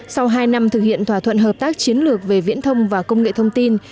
sau hai năm thực hiện thỏa thuận hợp tác chiến lược về viễn thông và công nghệ thông tin